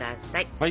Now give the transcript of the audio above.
はい。